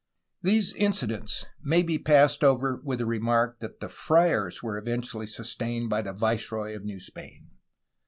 These incidents may be passed over with the remark that the friars were eventually sustained by the viceroy of New Spain.